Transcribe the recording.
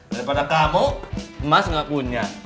daripada kamu emas gak punya